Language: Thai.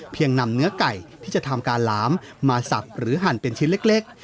นำเนื้อไก่ที่จะทำการหลามมาสับหรือหั่นเป็นชิ้นเล็ก